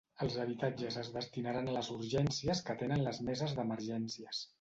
Els habitatges es destinaran a les urgències que atenen les Meses d'Emergències.